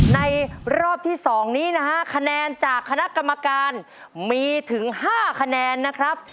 ในรอบที่๒นี้นะฮะคะแนนจากคณะกรรมการมีถึง๕คะแนนนะครับ